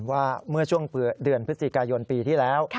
ว่าเมื่อช่วงเดือนพฤศจิกายนปีที่แล้ว